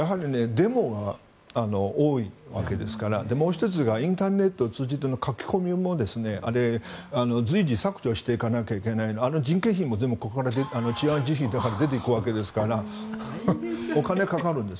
デモが多いわけですからもう１つがインターネットを通じての書き込みも随時削除していかなければいけないのであの人件費も治安維持費から出ていくわけですからお金がかかるんです。